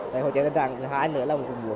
tại hội trợ tình trạng thứ hai nữa